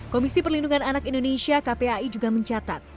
komisi perlindungan anak indonesia kpai juga mencatat